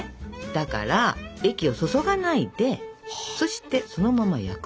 だから液を注がないでそしてそのまま焼くと。